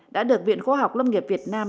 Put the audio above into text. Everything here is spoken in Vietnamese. đã được viện khóa học lâm nghiệp việt nam